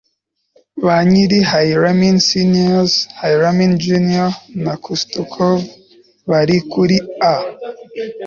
banyiri - hrymin seniors, hrymin juniors, na kostukov - bari kuri a